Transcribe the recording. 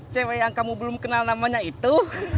cewek yang kamu belum kenal namanya itu